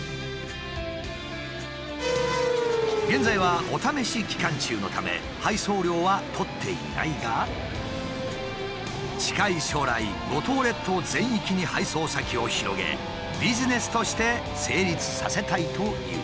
現在はお試し期間中のため配送料は取っていないが近い将来五島列島全域に配送先を広げビジネスとして成立させたいという。